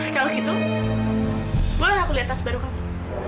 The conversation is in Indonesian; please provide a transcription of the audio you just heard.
kalau gitu boleh aku lihat tas baru kamu